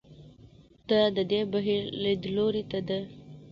دا د دې بهیر لیدلوري ته ده.